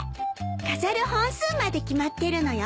飾る本数まで決まってるのよ。